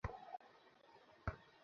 সামনে এসে বসো।